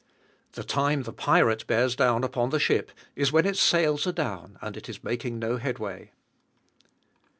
The time the pirate bears down upon the ship is when its sails are down and it is making no headway.